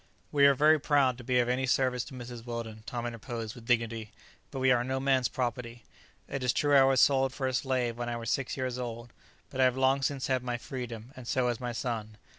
"We are very proud to be of any service to Mrs. Weldon," Tom interposed with dignity, "but we are no man's property. It is true I was sold for a slave when I was six years old; but I have long since had my freedom; and so has my son.